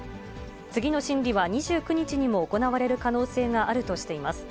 次の審理は２９日にも行われる可能性があるとしています。